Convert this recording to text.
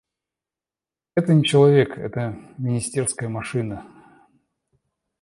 Это не человек, это министерская машина.